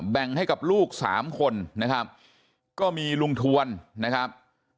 แบ่งให้กับลูกสามคนนะครับก็มีลุงทวนนะครับ